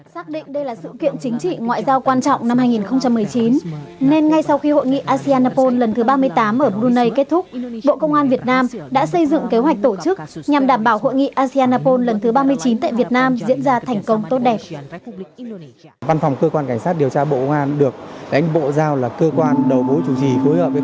xác định đây là sự kiện chính trị ngoại giao quan trọng năm hai nghìn một mươi chín nên ngay sau khi hội nghị